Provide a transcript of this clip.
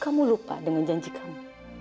kamu lupa dengan janji kami